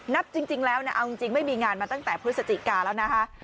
จริงแล้วเอาจริงไม่มีงานมาตั้งแต่พฤศจิกาแล้วนะคะ